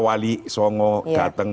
karena sekarangnea sudah bukannya begitu